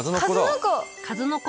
数の子！